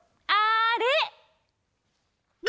あれ！